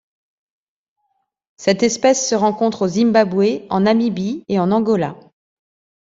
Cette espèce se rencontre au Zimbabwe, en Namibie et en Angola.